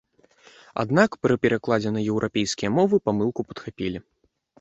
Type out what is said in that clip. Аднак пры перакладзе на еўрапейскія мовы памылку падхапілі.